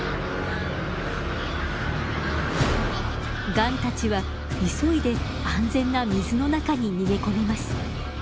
ガンたちは急いで安全な水の中に逃げ込みます。